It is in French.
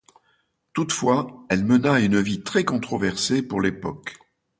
Toutefois, elle mena une vie très controversée pour l'époque.